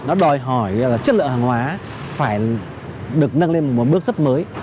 nó đòi hỏi chất lượng hàng hóa phải được nâng lên một bước rất mới